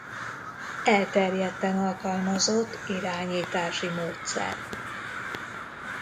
Elterjedten alkalmazott irányítási módszer.